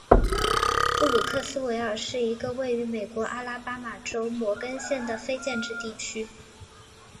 布鲁克斯维尔是一个位于美国阿拉巴马州摩根县的非建制地区。